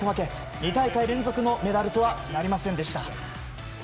２大会連続のメダルとはなりませんでした。